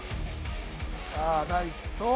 さあ第１投。